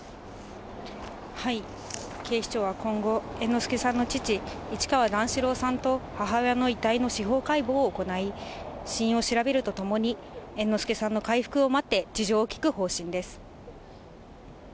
警視庁は今後、猿之助さんの父、市川段四郎さんと母親の遺体の司法解剖を行い、死因を調べるとともに、猿之助さんの回復を待って、事情を聴く方針です。